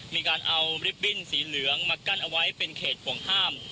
มีการเอาลิฟตบิ้นสีเหลืองมากั้นเอาไว้เป็นเขตห่วงห้าม